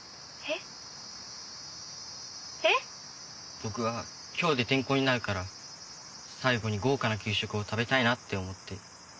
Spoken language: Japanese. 僕は今日で転校になるから最後に豪華な給食を食べたいなって思って。